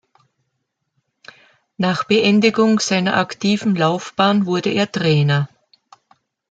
Nach Beendigung seiner aktiven Laufbahn wurde er Trainer.